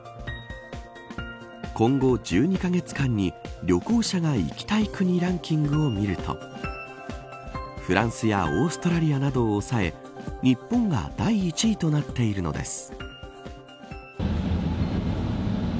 今後、１２カ月間に旅行者が行きたい国ランキングを見るとフランスやオーストラリアなどを押さえ日本が第１位となっているのです。